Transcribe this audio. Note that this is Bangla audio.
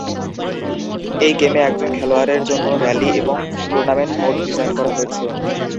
এই গেমে একজন খেলোয়াড়ের জন্য র্যালি এবং টুর্নামেন্ট মোড ডিজাইন করা হয়েছে।